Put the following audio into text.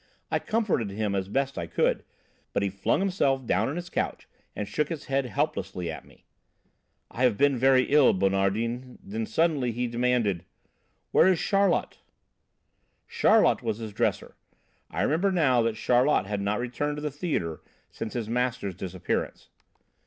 I comforted him as best I could, but he flung himself down on his couch and shook his head helplessly at me. 'I have been very ill, Bonardin,' then suddenly he demanded: 'Where is Charlot?' "Charlot was his dresser. I remembered now that Charlot had not returned to the theatre since his master's disappearance.